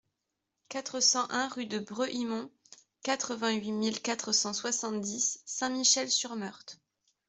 quatre cent un rue de Brehimont, quatre-vingt-huit mille quatre cent soixante-dix Saint-Michel-sur-Meurthe